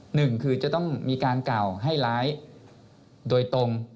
หนึ่งคือจะต้องมีการกล่าวให้ร้ายโดยตรง